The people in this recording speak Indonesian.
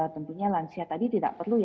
tentunya lansia tadi tidak perlu